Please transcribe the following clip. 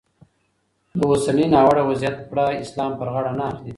د اوسني ناوړه وضیعت پړه اسلام پر غاړه نه اخلي.